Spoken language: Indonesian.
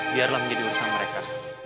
biarlah menjadi urusan mereka